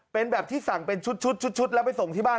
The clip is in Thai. เป็นแบบที่สั่งเป็นชุดแล้วไปส่งที่บ้าน